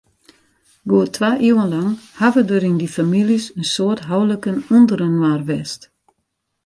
Goed twa iuwen lang hawwe der yn dy famyljes in soad houliken ûnderinoar west.